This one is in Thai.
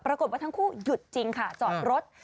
ปรากฏว่าทั้งคู่หยุดจริงค่ะจอดรถ